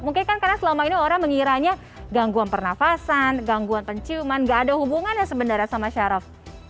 mungkin kan karena selama ini orang mengiranya gangguan pernafasan gangguan penciuman nggak ada hubungan ya sebenarnya sama saraf